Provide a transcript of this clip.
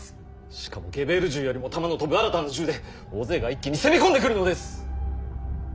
しかもゲベール銃よりも弾の飛ぶ新たな銃で大勢が一気に攻め込んでくるのです！